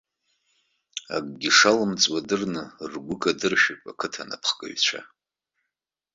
Акгьы шалымҵуа дырны, ргәы кадыршәып ақыҭа анапхгаҩцәа.